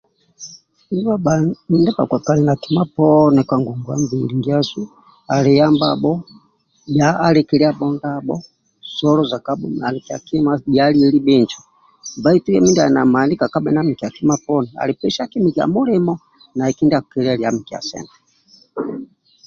Ndibha bhali ndibha bhakali na kima poni ka ngongwa mbili ndiasu ali yambabho bhia akiliabho ndabho soloza kabho bhanikia kima bhia lieli bhinjo baitu ye mindi ali na mani kekbhe na mikia kima poni ali pesiaki minkia mulimo naye kindia akilelia mikia sente